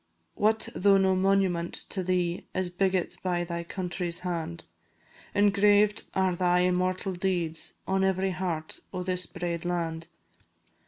What though no monument to thee Is biggit by thy country's hand; Engraved are thy immortal deeds On every heart o' this braid land.